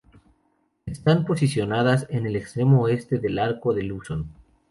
Están posicionadas en el extremo oeste del Arco de Luzón.